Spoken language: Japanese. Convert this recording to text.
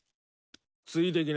ついてきな。